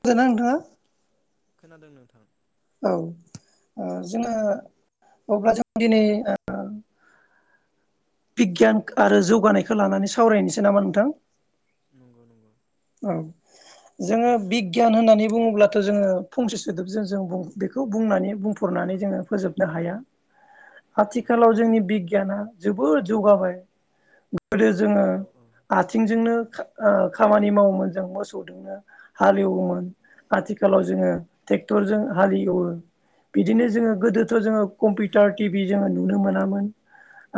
मोजांना नोंथाङा? खोनादों नोंथां। औ ओ जोङो अब्ला जों दिनै ओ बिगियान आरो जौगानायखो लानानै सावरायनोसै नामा नोंथां? नंगौ नंगौ। औ जोङो बिगियान होननानै बुङोब्लाथ' जोङो फंसे सोदोबजों जों बुं बेखौ बुंनानै बुंफरनानै जोङो फोजोबनो हाया। नंगौ आथिखालाव नंगौ जोंनि बिगियाना जोबोद जौगाबाय। गोदो जोङो औ औ आथिंजोंनो ओ खामानि माव मोन जों मोसौजोंनो हालेवोमोन आथिखालाव जोङो टेक्टरजों हालेवो। बिदिनो जोङो नंगौ नंगौ गोदोथ' जोङो कम्पिटार टिभि जोङो नुनो मोनामोन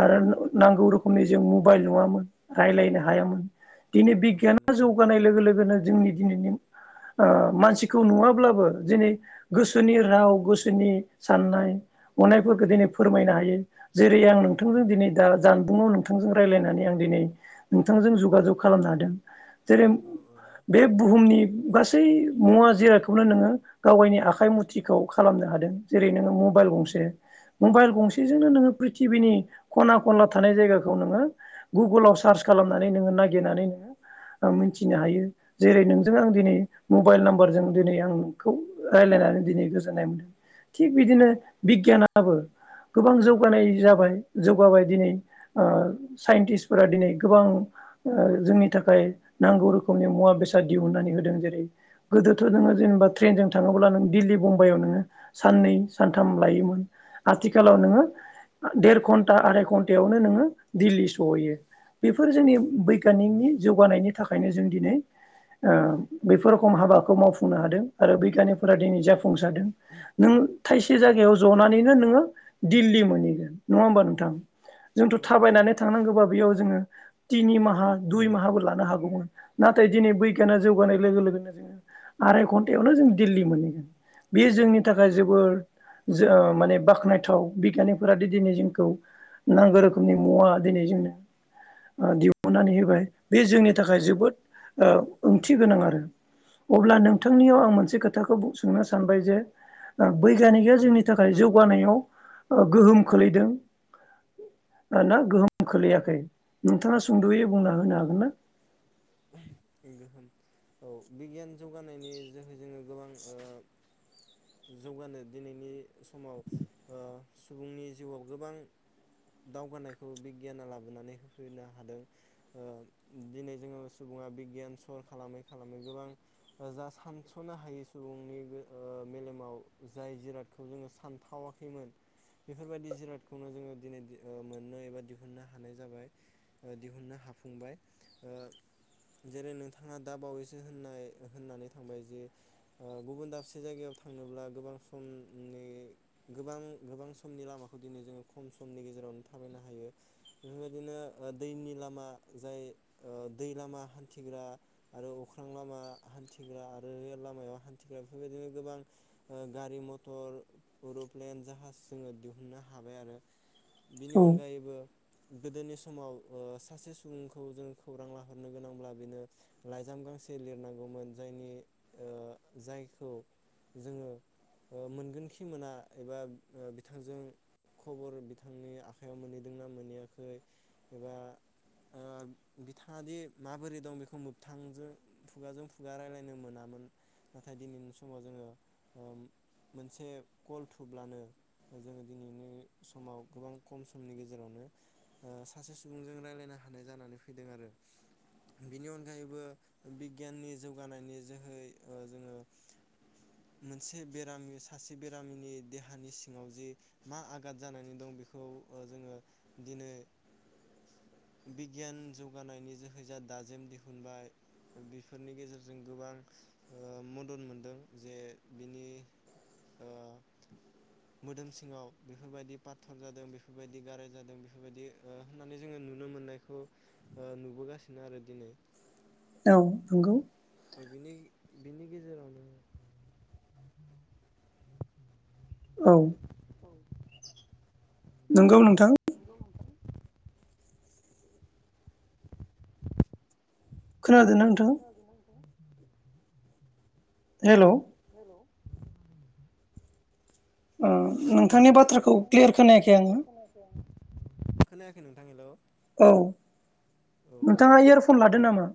आरो नांगौ रोखोमनि जों मबाइल नङामोन रायलायनो हायामोन। दिनै नंगौ बिगियाना जौ नंगौ लोगो लोगोनो जोंनि दिनैनि ओ मानसिखौ नुवाब्लाबो दिनै गोसोनि राव गोसोनि साननाय हनायफोरखौ दिनै फोरमायनो हायो। जेरै आं नंगौ नोंथांजों नंगौ दिनै दा जानबुंङाव नोंथांजों रायलायनानै आं दिनै नोंथांजों जुगाजग खालामनो हादों। जेरै औ औ बे बुहुमनि गासै मुवा जिराखौनो नोङो गाव गायनि आखाइ मुथिखौ खालामनो हादों। जेरै जोङो मबाइल गंसे मबाइल गंसेजोंनो नोङो प्रिथिबिनि खना खनला थानाय जायगाखौ नोङो गुगोलाव सार्च खालामनानै नोङो नागिरनानै नोङो ओ मिनथिनो हायो। जेरै नोंजों आं दिनै मबाइल नाम्बारजों दिनै आं नोंखौ रायलायनानै दिनै गोजोननाय मोनदों। थिग बिदिनो बिगियानाबो गोबां जौगानाय जाबाय जौगाबाय दिनै ओ साइन्टिस्टफोरा दिनै गोबां जोंनि थाखाय नांगौ रोखोमनि मुवा बेसाद दिहुननानै होननानै होदों जेरै गोदोथ' नोङो जेनेबा ट्रेनजों थाङोब्ला नों दिल्ली बुम्बाइआव नोङो साननै सानथाम लायोमोन आथिखालाव नोङो देर घन्टा आराय घन्टायावनो नोङो दिल्ली सहैयो। बेफोर जोंनि नंगौ नंगौ बैकगानिकनि जौगानायनि थाखायनो जों दिनै ओ बेफोर रोखम हाबाखौ मावफुंनो हादों आरो बैग्यानिफोरा दिनै जाफुं सारदों नों थाइसे जायगायाव जनानैनो नोङो दिल्ली मोनहैगोन। नङा होमबा नोंथां? जोंथ' नंगौ नंगौ थाबायनानै थांनांगौबा बेयाव जोङो तिनि माहा दुइ माहाबो लानो हागौ मोन। नाथाय दिनै बैगियाना जौगानाय लोगो लोगोनो जोङो आराय घन्टायावनो जों दिल्ली मोनहैगोन। बे जोंनि थाखाय जोबोद जो माने बाख्नायथाव बैग्यानिकफोरा दिनै जोंखौ नांगौ रोखोमनि मुवा दिनै जोंनो ओ दिहुननानै होबाय। बे जोंनि थाखाय जोबोद ओ ओंथि गोनां आरो अब्ला नंगौ नोंथांनियाव आं नंगौ मोनसे खोथाखौबो सोंनो सानबाय जे ओ बैग्यानिकआ जोंनि थाखाय जौगानायाव ओ गोहोम खोलैदों ना गोहोम खोलैयाखै नोंथाङा सुंद'यै बुंना होनो हागोन ना? गोहोम औ बिगियान जौगानायनि जोहै जोङो गोबां ओ जौगानो दिनैनि समाव ओ सुबुंनि जिउआव गोबां दावगानायखौ बिगियाना लाबोनानै होफैनो हादों ओ दिनै जोङो सुबुङा बिगियान सर खालामै खालामै गोबां ओ जा सानस'नो हायै सुबुंनि गो ओ मेलेमाव जाय जिरादखौ जोङो सानथावाखैमोन बेफोरबायदि जिरादखौनो जोङो दिनैदि ओ मोननो एबा दिहुननो हानाय जाबाय ओ दिहुननो हाफुंबाय ओ जेरै नोंथाङा दा बावैसो होननाय होननानै थांबाय जे ओ गुबुन दाबसे जायगायाव थांनोब्ला गोबां समनि गोबां गोबां समनि लामाखौ दिनै जोङो खम समनि गेजेरावनो थाबायनो हायो बेफोरबायदिनो ओ दैनि लामा जाय ओ दै लामा हान्थिग्रा आरो अख्रां लामा हान्थिग्रा आरो रेल लामायाव हान्थिग्रा बेफोरबायदिनो गोबां ओ गारि मथर, उरु'प्लेन, जाहाज जोङो दिहुननो हाबाय आरो। बेनि औ अनगायैबो गोदोनि समाव ओ सासे सुबुंखौ जों खौरां लाहरनो गोनांब्ला बिनो लाइजाम गांसे लिरनांगौमोन जायनि ओ जायखौ जोङो ओ मोनगोनखि मोना एबा बिथांजों खबर बिथांनि आखाइयाव मोनहैदोंना मोनहैयाखै एबा ओ बिथाङादि माबोरै दं बेखौ मोबथांजों फुगाजों फुगा रायलायनो मोनामोन नाथाय दिनैनि समाव जोङो ओ मोनसे कल थुब्लानो ओ जोङो दिनैनि समाव गोबां खम समनि गेजेरावनो ओ सासे सुबुंजों रायलायनो हानाय जानानै फैदों आरो। बिनि अनगायैबो ओ बिगियाननि जौगानायनि जोहै ओ जोङो मोनसे बेरामि सासे बेरामिनि देहानि सिङाव जि मा आगाद जानानै दं बेखौ ओ जोङो दिनै बिगियान जौगानायनि जोह है जा दाजेम दिहुनबाय बेफोरनि गेजेरजों गोबां ओ मदद मोनदों जे बिनि ओ मोदोम सिङाव बेफोरबायदि पाथर जादों बेफोरबायदि गाराय जादों बेफोरबायदि ओ होननानै जोङो नुनो मोननायखौ ओ नुबोगासि नो आरो दिनै। औ नंगौ। बिनि बिनि गेजेरावनो औ। औ नोंगौ नों थां। नंगौ नोंथां खोनादोंना नोंथां? खोनादोंना नोंथाङा हेल' हेलौ ओ ओ नोंथांनि बाथ्राखौ नोंथांनि क्लियार बाथ्राखौ खोनायाखै आङो। क्लियार खोनायाखै आङो खोनायाखै नोंथां हेल'। औ नोंथाङा इयारफन लादों नामा?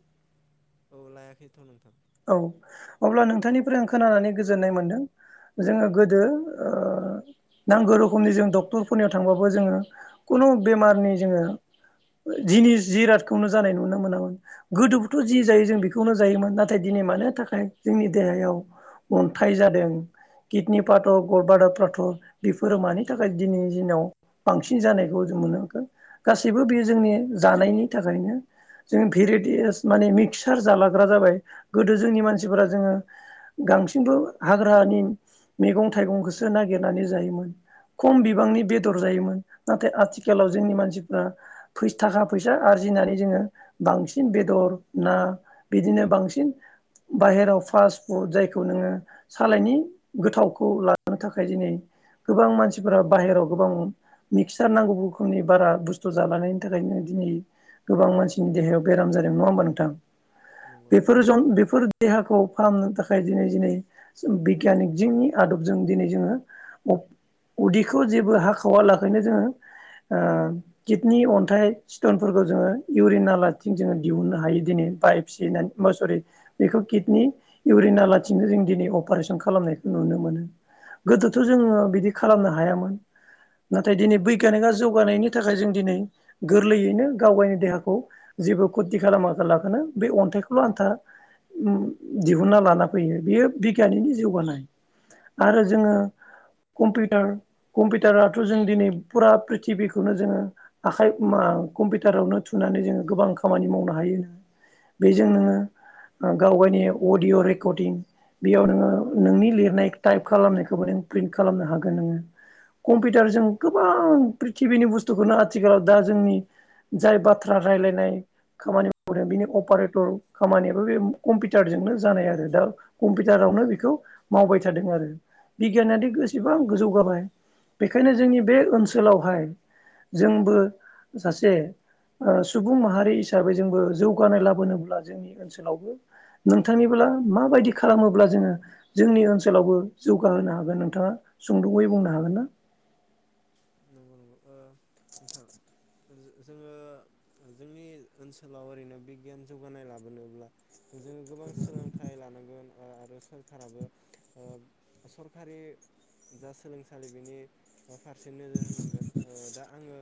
औ लायाखैथ' नोंथां औ अब्ला नोंथांनिफ्राय आं खोनानानै गोजोननाय मोनदों जोङो गोदो ओ नांगौ रोखोमनि जों डक्टरफोरनियाव थांबाबो जोङो खुनु बेमारनि जोङो जिनिस जिरादखौनो जानाय नुनो मोनामोन गोदोबोथ' जि जायो जों बेखौनो जायोमोन नाथ नाथाय दिनै मानि थाखाय जोंनि देहायाव अन्थाइ जादों किडनि पाथर गरब्लादार पाथर बेफोरो मानि थाखाय दिनैनि दिनाव बांसिन जानायखौ जों नुनो मोनखो? गासैबो बेयो औ जोंनि औ जानायनि थाखायनो। जों भेरिटियास माने मिक्सार जालाग्रा जाबाय। गोदो जोंनि मानसिफोरा जोङो गांसिनबो हाग्रानि मैगं थाइगंखौसो नागिरनानै जायोमोन खम बिबांनि बेदर जायोमोन नाथाय आथिखालाव जोंनि मानसिफ्रा फैस थाखा फैसा आरजिनानै जोङो बांसिन बेदर ना बिदिनो बांसिन बाहेराव फास्ट फुड जायखौ नोङो सालायनि गोथावखौ लानो थाखाय दिनै गोबां मानसिफोरा बाहेरायाव गोबां मिक्सार नांगौ रोखोमनि बारा बुस्थु जालानायनि थाखायनो दिनै गोबां मानसिनि देहायाव बेराम जादों नङा होमबा नोंथां? नंगौ नंगौ। बेफोर जन बेफोर देहाखौ फाहामनो थाखाय दिनै दिनै जों बिगियानिक जोंनि आदबजों दिनै जोङो अब उदैखौ जेबो हाखावालाखैनो जोङो ओ किडनि अन्थाइ सिटनफोरखौ जोङो इउरिन नालाथिं जोङो दिहुननो हायो दिनै पाइप सिनानै म सरि बेखौ किडनि इउरिन नालाथिंनो जों दिनै अपारेशन खालामनायखौ नुनो मोनो गोदोथ' जोङो बिदि खालामनो हायामोन। नाथाय दिनै नंगौ नंगौ बैग्यानिका जौगानायनि थाखाय जों दिनै गोरलैयैनो गाव गायनि देहाखौ जेबो खथि खालामा लाखानो बे अन्थाइखौल' आन्था उम दिहुनना लाना फैयो बेयो बिगियाननिनो जौगानाय। आरो नंगौ जोङो कम्पिउटार कम्पिउटाराथ' जों दिनै फुरा प्रिथिबिखौनो जोङो आखाइ मा कम्पिउटारावनो थुनानै जोङो गोबां खामानि मावनो हायो बेजों नोङो गावगावनि अडिय' रेकर्डिं बेयाव नोङो नोंनि लिरनाय टाइप खालामनायखौबो नों प्रिन्ट खालामनो हागोन नोङो कम्पिउटारजों गोबां प्रिथिबिनि बुस्थुखौनो आथिखालाव दा जोंनि जाय बाथ्रा रायलायनाय खामानि मावदों बिनि अपारेटर खामानियाबो बे कम्पिउटारजोंनो जानाय आरो दा कम्पिउटारावनो बेखौ मावबाय थादों आरो बि गियानानो नंगौ एसेबां नंगौ गोजौ गाबाय बेखायनो जोंनि बे ओनसोलावहाय जोंबो सासे सुबुं माहारि हिसाबै जोंबो जौगानाय लाबोनोब्ला जोंनि ओनसोलावबो नोंथांनिब्ला माबायदि खालामोब्ला जोङो जोंनि ओनसोलावबो जौगाहोनो हागोन नोंथाङा सुंद'यै बुंनो हागोन ना? नंगौ नंगौ ओ नोंथां जो-जोङो जोंनि ओनसोलाव ओरैनो बिगियान जौगानाय लाबोनोब्ला जोङो गोबां सोलोंथाइ लानांगोन। आरो सोरखाराबो ओ सरखारि जा सोलोंसालि बेनि फारसे नोजोर होनांगोन ओ दा आङो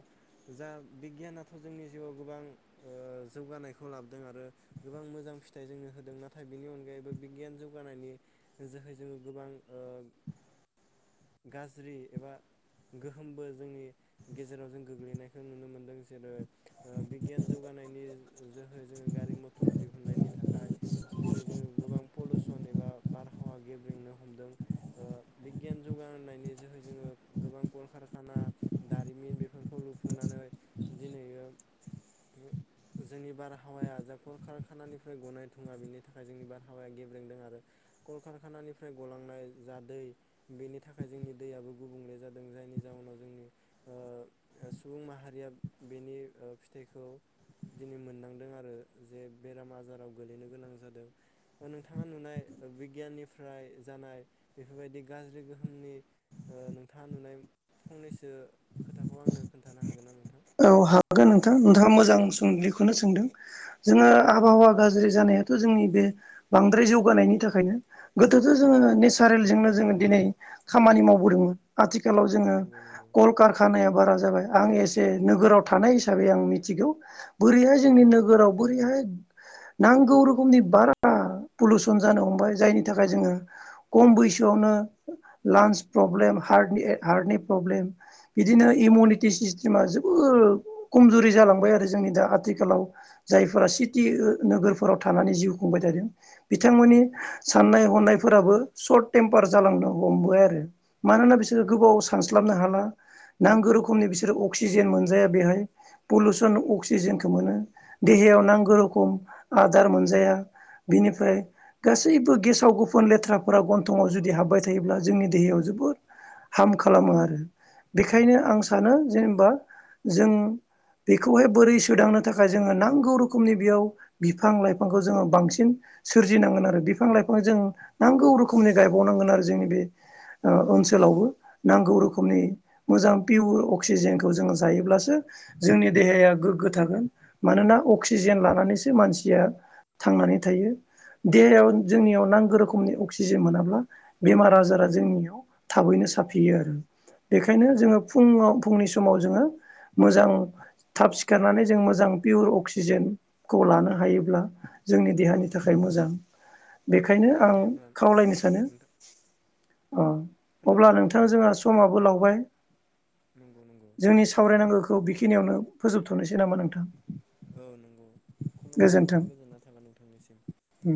जा बिगियानथ' जोंनि जिउआव गोबां ओ जौगानायखौ लाबोदों आरो गोबां मोजां फिथाइ जोंनो होदों नाथाय बिनि अनगायैबो बिगियान जौगानायनि जोहै जोङो गोबां ओ गाज्रि एबा गोहोमबो जोंनि गेजेराव जों गोग्लैनायखौ नुनो मोनदों जेरै ओ बिगियान जौगानायनि जोहै जोङो गारि मथर दिहुनन्नायनि थाखाय दिनै जोङो गोबां पलिउसन एबा बारहावा गेब्रेंनो हमदों ओ बिगियान जौगानायनि जोहै जोङो गोबां कलकारखाना दारिमिन बेफोरखौ लुफुंनानै दिनैयो जोंनि बारहावाया जा कलकारखानानिफ्राय गनाय थुङा बेनि थाखाय जोंनि बारहावाया गेब्रेंदों आरो कलकारखानानिफ्राय गलांनाय जा दै बेनि थाखाय जोंनि दैयाबो गुबुंले जा दों। जायनि जाउनाव जोंनि ओ सुबुं माहारिया बेनि ओ फिथाइखौ दिनै मोननांदों आरो जे बेराम आजाराव गोलैनो गोनां जादों नोंथाङा नुनाय बिगियाननिफ्राय जानाय बेफोरबायदि गाज्रि गोहोमनि ओ नों थांङा नुनाय फंनैसो खोथाखौ आंनो खोन्थानो हागोनना नों औ हागोन‌ नों थां नोंथाङा मोजां सोंलिखौनो सोंदों जोङो आबहावा गाज्रि जानायाथ' जोंनि बे बांद्राय जौगानायनि थाखायनो गोदोथ' जोङो नेसारेलजोंनो जोङो दिनै खामानि मावबोदोंमोन। आथिखालाव जोङो नंगौ नंगौ कलकारखानायाब बारा जाबाय आं एस से नोगोराव थानाय हिसाबै आं मिथिगौ। बोरैहाय जोंनि औ औ नोगोराव बोरैहाय नांगौ रोखोमनि बारा पलुसन जानो हमबाय जायनि थाखाय जोङो खम बैसोआवनो लांस प्रब्लेम हार्टनि ए हार्टनि प्रब्लेम बिदिनो इमिउनिटि सिस्ट टिमा जोबोर खमजुरि जालांबाय आरो जोंनि दा आथिखालाव जायफोरा सिटि नोगोरफोराव थानानै जिउ खुंबाय थादों बिथांमोननि साननाय हनायफोराबो सर्ट टेम्पार जालांनो हमबोय आरो। मानोना बिसोरो नंगौ गोबाव नंगौ सानस्लाबनो हाला। नांगौ रोखोमनि बिसोरो अ क्सिजेन मोनजाया बेहाय पलुसन अक्सिजेनखो मोनो देहायाव नांगो रोखम आदार मोनजाया बेनिफ्राय गासैबो गेसाव गुफोन लेथ्राफोरा गन्थंआव जुदि हाब्बाय थायोब्ला जोंनि देहायाव जोबोद हाम खालामो आरो। बेखायनो नंगौ आं नंगौ सानो जेन बा जों बेखौहाय बोरै सोदांनो थाखाय जोंङो नांगौ रोखोमनि बेयाव बिफां लाइांखौ जोङो बांसिन सोरजिनांगोन आरो बिफां लाइफां जों नांगौ रोखोमनि गायबावनांगोन आरो जोंनि बे ओ ओनसोलावबो नांगौ रोखोमनि मोजां पियर अक्सिजेन खौ जोङो जायोब्लासो जोंनि देहाया गोग्गो थागोन मानोना अक्सिजेन लानानैसो मानसिया थांनानै थायो देहायाव जोंनियाव नांगो रोखोमनि अक्सिजेन मोनाब्ला बेमार आजारा जोंनियाव थाबैनो साफियो आरो। नंगौ बेखायनो नंगौ जोङो फुंङाव‌। फुंनि स समाव जोंङो मोजां थाब सिखारनानै जों मोजां पियर अक्सिजेनखौ लानो हायोब्ला जोंनि देहानि थाखाय मोजां। बेखायनो आं दे होमब्ला औ खावलायनो सानो नोंथां ओ अब्ला खोनादोंना नोंथाङ नोंथां जोंहा समाबो लावबाय। नंगौ नंगौ जोंनि सावरायनांगो खौ बेखिनियावनो फोजोबथ'नोसै नामा नोंथां। औ नोंगौ खुलुमबाय नोंथां गोजोन्थों। गोजोनना थाबाय नोंथांनिसिम। उम।